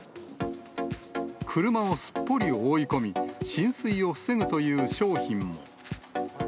車をすっぽり覆い込み、浸水を防ぐという商品も。